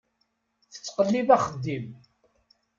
Tettqellib axeddim.